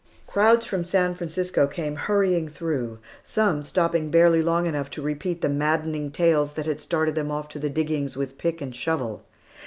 Crowds from San Francisco came hurrying through, some stopping barely long enough to repeat the maddening tales that had started them off to the diggings with pick and shovel.